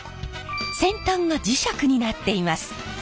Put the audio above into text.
先端が磁石になっています。